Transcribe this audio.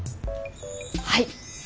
はい。